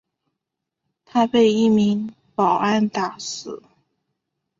他被一名保安打死。